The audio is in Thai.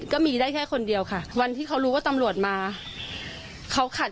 ก็มีได้แค่คนเดียวค่ะวันที่เขารู้ว่าตำรวจมาเขาขัด